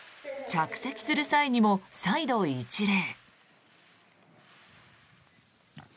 着席する際にも再度一礼。